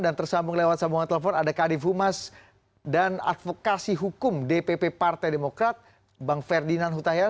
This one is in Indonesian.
tersambung lewat sambungan telepon ada kadif humas dan advokasi hukum dpp partai demokrat bang ferdinand hutahian